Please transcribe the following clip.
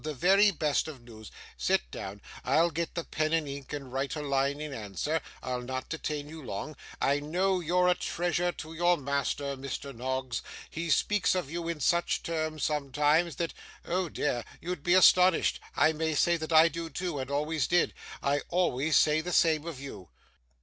The very best of news. Sit down. I'll get the pen and ink, and write a line in answer. I'll not detain you long. I know you're a treasure to your master, Mr. Noggs. He speaks of you in such terms, sometimes, that, oh dear! you'd be astonished. I may say that I do too, and always did. I always say the same of you.